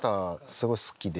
すごい好きで。